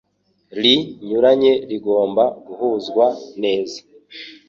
Ri nyuranye rigomba guhazwa. neza